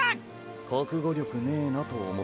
国語力ねーなと思って。